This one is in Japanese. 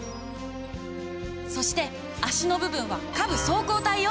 そして足の部分は下部走行体よ！